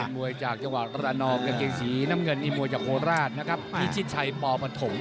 มวยจากจังหวัดระนองกางเกงสีน้ำเงินนี่มวยจากโคราชนะครับพิชิตชัยปปฐม